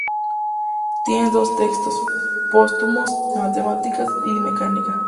Tiene dos textos, póstumos, de matemáticas y mecánica.